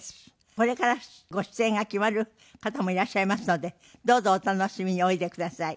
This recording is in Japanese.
これからご出演が決まる方もいらっしゃいますのでどうぞお楽しみにおいでください。